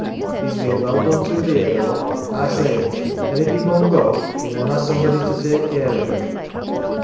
He's been well done to theer, though I say it ; an', if he mun go, he mun ha' somebody to take care of him.